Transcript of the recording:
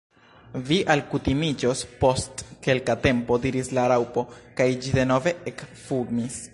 "Vi alkutimiĝos post kelka tempo," diris la Raŭpo, kaj ĝi denove ekfumis.